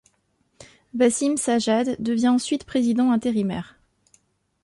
Wasim Sajjad devient ensuite président intérimaire.